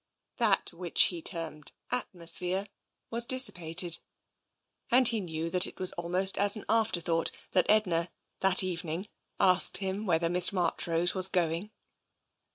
That which he termed " atmosphere " was dissipated, and he knew that it was almost as an afterthought that Edna, that evening, asked him whether Miss March rose was going.